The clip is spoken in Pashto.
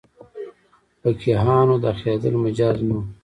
فقیهانو داخلېدل مجاز نه وو.